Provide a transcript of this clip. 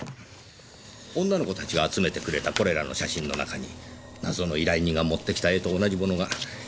女の子たちが集めてくれたこれらの写真の中に謎の依頼人が持ってきた絵と同じものが１枚だけありました。